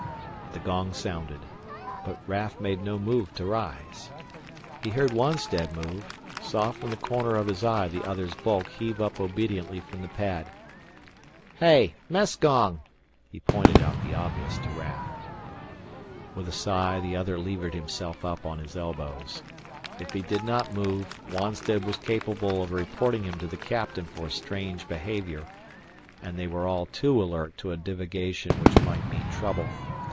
The gong sounded, but Raf made no move to rise. He heard Wonstead move, saw from the corner of his eye the other's bulk heave up obediently from the pad. "Hey mess gong!" He pointed out the obvious to Raf. With a sigh the other levered himself up on his elbows. If he did not move, Wonstead was capable of reporting him to the captain for strange behavior, and they were all too alert to a divagation which might mean trouble.